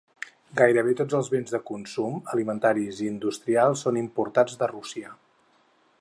Gairebé tots els béns de consum, alimentaris i industrials són importats de Rússia.